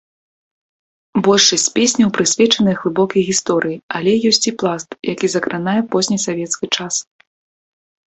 Большасць песняў прысвечаныя глыбокай гісторыі, але ёсць і пласт, які закранае познесавецкі час.